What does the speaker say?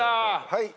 はい。